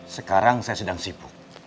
sekarang saya sedang sibuk